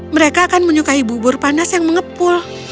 mereka akan menyukai bubur panas yang mengepul